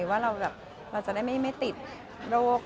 ว่าเราจะได้ไม่ติดโรค